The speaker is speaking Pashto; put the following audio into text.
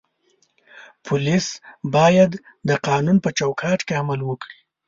پولیس باید د قانون په چوکاټ کې عمل وکړي.